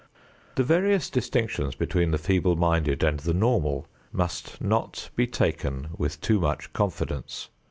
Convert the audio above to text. The various distinctions between the feeble minded and the normal must not be taken with too much confidence.